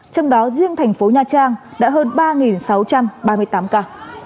trong đó riêng thành phố nha trang đã hơn ba sáu trăm ba mươi tám ca